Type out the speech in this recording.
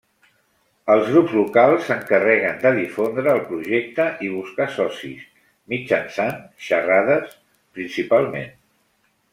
Els grups locals s'encarreguen de difondre el projecte i buscar socis, mitjançant xerrades, principalment.